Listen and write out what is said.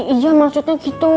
iya maksudnya gitu